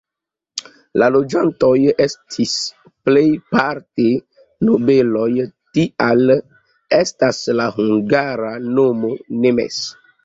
La loĝantoj estis plejparte nobeloj, tial estas la hungara nomo "nemes".